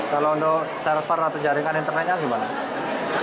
kalau untuk server atau jaringan internetnya gimana